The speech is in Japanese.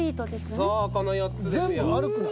そうこの４つですよ。